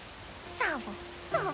サボサボ！